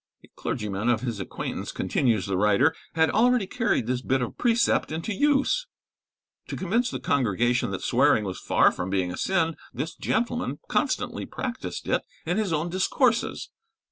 A clergyman of his acquaintance, continues the writer, had already carried this bit of precept into use. To convince the congregation that swearing was far from being a sin, this gentleman constantly practised it in his own discourses.